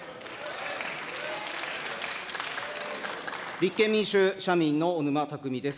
立憲民主・社民の小沼巧です。